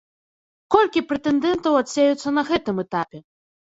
Колькі прэтэндэнтаў адсеюцца на гэтым этапе?